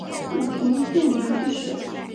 武平四年去世。